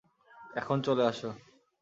এখন চলে আসো!